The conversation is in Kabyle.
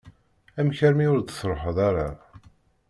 Amek armi ur d-truḥeḍ ara?